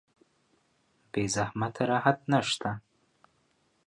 بې زحمت راحت نشته